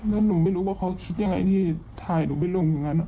แล้วหนูไม่รู้ว่าเขาคิดยังไงที่ถ่ายหนูไปลงอย่างนั้น